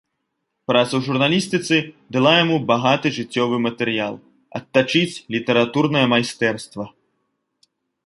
Праца ў журналістыцы дала яму багаты жыццёвы матэрыял, адтачыць літаратурнае майстэрства.